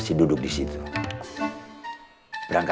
semoga kemaafan anda